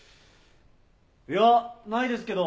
いやないですけど。